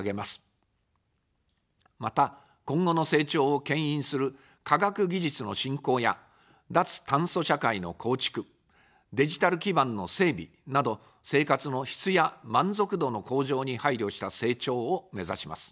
また、今後の成長をけん引する科学技術の振興や脱炭素社会の構築、デジタル基盤の整備など、生活の質や満足度の向上に配慮した成長をめざします。